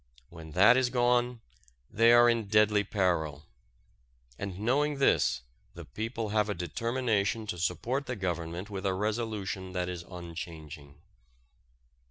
When that is gone they are in deadly peril. And knowing this the people have a determination to support the Government with a resolution that is unchanging.